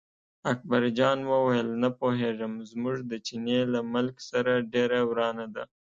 اکبرجان وویل نه پوهېږم، زموږ د چیني له ملک سره ډېره ورانه ده.